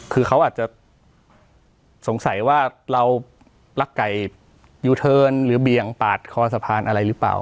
คือเขาอาจจะสงสัยว่าเรารักไก่ยูเทิร์นหรือเบี่ยงปาดคอสะพานอะไรหรือเปล่า